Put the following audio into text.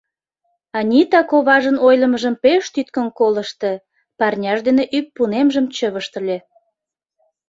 Анита коважын ойлымыжым пеш тӱткын колышто, парняж дене ӱппунемжым чывыштыле.